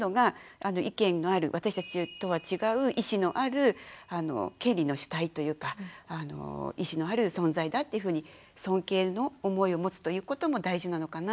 私たちとは違う意思のある「権利の主体」というか意思のある存在だっていうふうに尊敬の思いを持つということも大事なのかなっていうふうに思いました。